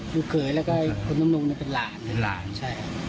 แต่ตอนนี้เหลือล่าจะ๕ตัว